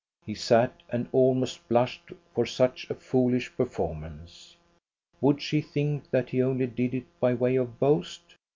He sat and almost blushed for such a foolish perform ance. Would she think that he only did it by way of boast?